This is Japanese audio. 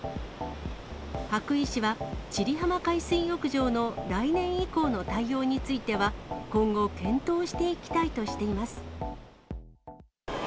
羽咋市は、千里浜海水浴場の来年以降の対応については、今後、検討していきたいとしています。